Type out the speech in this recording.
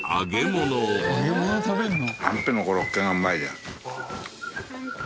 揚げ物食べるの？